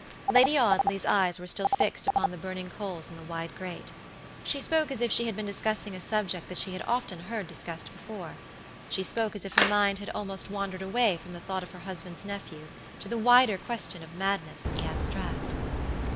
Lady Audley's eyes were still fixed upon the burning coals in the wide grate. She spoke as if she had been discussing a subject that she had often heard discussed before. She spoke as if her mind had almost wandered away from the thought of her husband's nephew to the wider question of madness in the abstract.